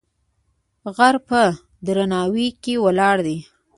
غر په درناوی کې ولاړ دی.